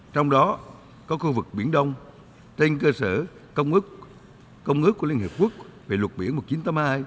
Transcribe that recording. trong đó có khu vực biển đông tên cơ sở công ước của liên hợp quốc về luật biển một nghìn chín trăm tám mươi hai